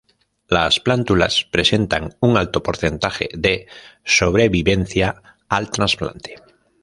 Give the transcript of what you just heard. Las plántulas presentan un alto porcentaje de sobrevivencia al trasplante.